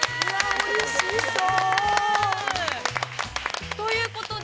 おいしそう。